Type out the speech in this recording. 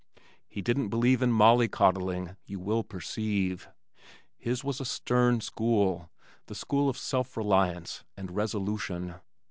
He didn't believe in molly coddling, you will perceive. His was a stern school, the school of self reliance and resolution.